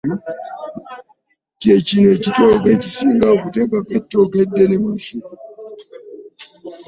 Kye kino ekitooke ekisinga okuteekako etooke eddene mu lusuku luno.